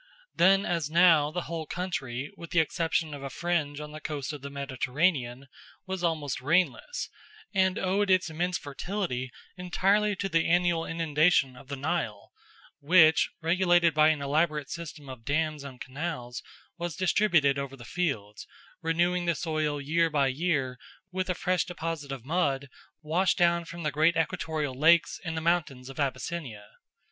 Then as now the whole country, with the exception of a fringe on the coast of the Mediterranean, was almost rainless, and owed its immense fertility entirely to the annual inundation of the Nile, which, regulated by an elaborate system of dams and canals, was distributed over the fields, renewing the soil year by year with a fresh deposit of mud washed down from the great equatorial lakes and the mountains of Abyssinia.